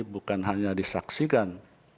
bukan hanya disaksikan